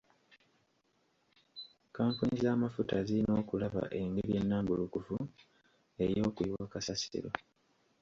Kampuni z'amafuta ziyina okulaba engeri ennambulukufu ey'okuyiwa kasasiro.